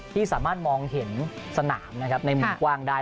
ที่สามารถมองเห็นสนามในหมู่กว้างได้